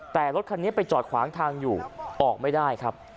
แต่รถคันนี้ไปจอดขวางทางอยู่ออกไม่ได้ครับ